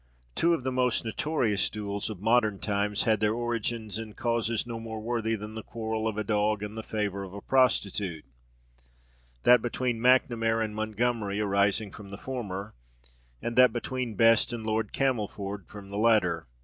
Two of the most notorious duels of modern times had their origin in causes no more worthy than the quarrel of a dog and the favour of a prostitute: that between Macnamara and Montgomery arising from the former; and that between Best and Lord Camelford from the latter.